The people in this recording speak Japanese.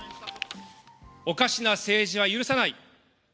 おかしな政治は許さない。